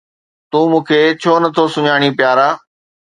تون مون کي ڇو نٿو سڃاڻين پيارا؟